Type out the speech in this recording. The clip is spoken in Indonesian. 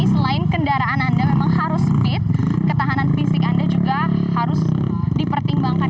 karena jika anda tidak memiliki tenaga yang cukup rapit ketahanan fisik anda juga harus dipertimbangkan